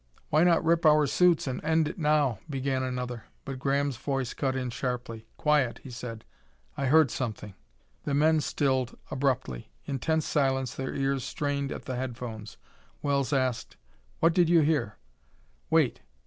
"Why not rip our suits an' end it now " began another, but Graham's voice cut in sharply. "Quiet!" he said. "I heard something!" The men stilled abruptly. In tense silence their ears strained at the headphones. Wells asked: "What did you hear?" "Wait!"